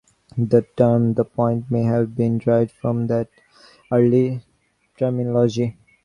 The term "the point" may have been derived from that early terminology.